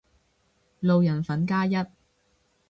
路人粉加一